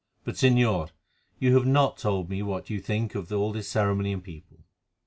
But, Señor, you have not told me what you think of all this ceremony and people."